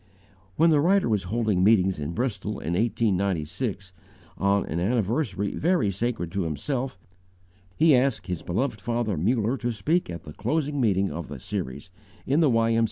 When the writer was holding meetings in Bristol in 1896, on an anniversary very sacred to himself, he asked his beloved father Muller to speak at the closing meeting of the series, in the Y.M.